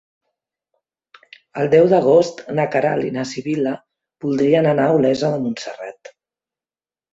El deu d'agost na Queralt i na Sibil·la voldrien anar a Olesa de Montserrat.